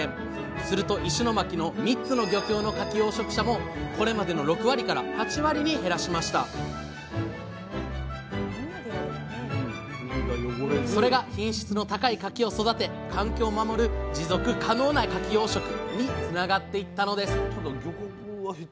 すると石巻の３つの漁協のかき養殖者もこれまでの６割から８割に減らしましたそれが品質の高いかきを育て環境を守る持続可能なかき養殖につながっていったのです